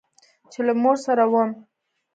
چې له مور سره وم.